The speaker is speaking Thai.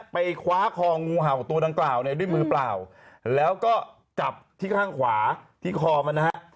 ไปคว้าคองูเห่าตัวดังกล่าวเนี่ยด้วยมือเปล่าแล้วก็จับที่ข้างขวาที่คอมันนะฮะ